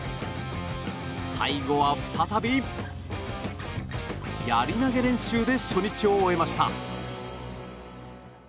最後は再び、やり投げ練習で初日を終えました。